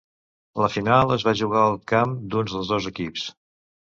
La final es va jugar al camp d'un dels dos equips.